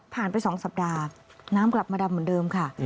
ไป๒สัปดาห์น้ำกลับมาดำเหมือนเดิมค่ะ